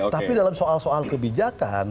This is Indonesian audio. tapi dalam soal soal kebijakan